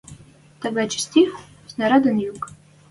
Тагачы стих — снарядын юк.